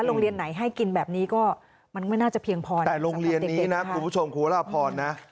โรงเรียนไหนให้กินแบบนี้ก็มันไม่น่าจะเพียงพอนะแต่โรงเรียนนี้นะคุณผู้ชมคุณพระพรนะ